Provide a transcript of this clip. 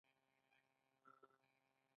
دویمه لار په وروسته پاتې هېوادونو کې پانګونه ده